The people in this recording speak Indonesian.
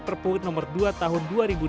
perpukut nomor dua tahun dua ribu dua belas